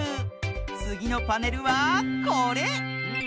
つぎのパネルはこれ！